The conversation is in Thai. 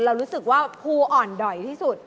เรารู้สึกว่าภูอ่อนด่อยที่สุด